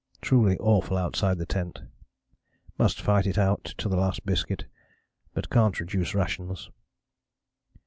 Truly awful outside the tent. Must fight it out to the last biscuit, but can't reduce rations."